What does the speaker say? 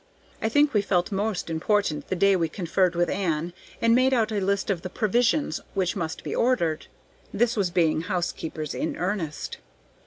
I think we felt most important the day we conferred with Ann and made out a list of the provisions which must be ordered. This was being housekeepers in earnest.